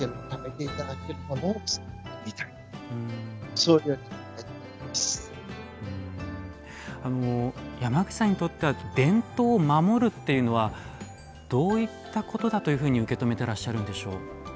そうですね山口さんにとっては伝統を守るっていうのはどういったことだというふうに受け止めてらっしゃるんでしょう。